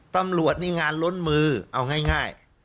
ตำรวจนี่งานล้นมือเอาง่าย